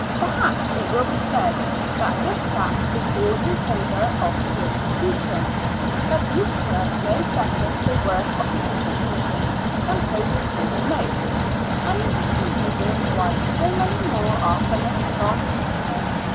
Perhaps it will be said that this fact is 108 ^^^^^ Years and Four Months all iu favor of the institution; that Utica knows better the worth of the institution than places more remote, and this is the reason why so many more are furnished from Utica.